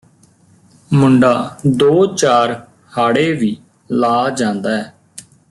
ਮੁੰਡਾ ਦੋ ਚਾਰ ਹਾੜੇ ਵੀ ਲਾ ਜਾਂਦੈ